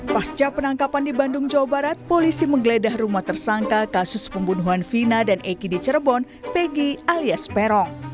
pasca penangkapan di bandung jawa barat polisi menggeledah rumah tersangka kasus pembunuhan vina dan eki di cirebon pegi alias peron